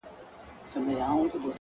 د زړگي شال دي زما پر سر باندي راوغوړوه-